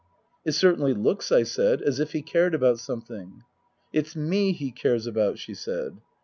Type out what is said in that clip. " It certainly looks," I said, "as if he cared about something." " It's me he cares about," she said.